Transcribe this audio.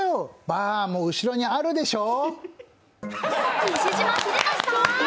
ばー、もう、後ろにあるでしょ。